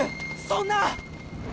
そんな！